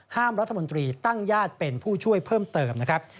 รัฐมนตรีตั้งญาติเป็นผู้ช่วยเพิ่มเติมนะครับ